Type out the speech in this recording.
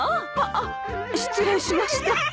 あっ失礼しました。